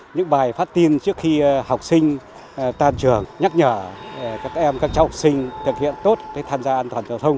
những bài phát tin trước khi học sinh tan trường nhắc nhở các em các cháu học sinh thực hiện tốt tham gia an toàn giao thông